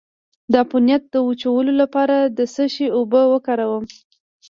د عفونت د وچولو لپاره د څه شي اوبه وکاروم؟